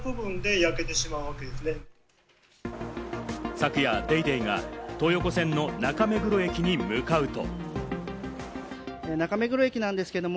昨夜『ＤａｙＤａｙ．』が東横線の中目黒駅に向かうと。